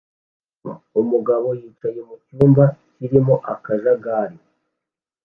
Umugabo yicaye mucyumba kirimo akajagari